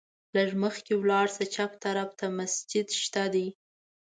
لږ مخکې ولاړ شه، چپ طرف ته مسجد شته دی.